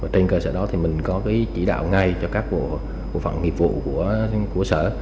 trên cơ sở đó thì mình có chỉ đạo ngay cho các bộ phận nghiệp vụ của sở